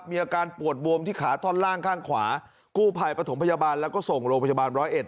มีอาการปวดบวมที่ขาท่อนล่างข้างขวากู้ภัยประถมพยาบาลแล้วก็ส่งโรงพยาบาลร้อยเอ็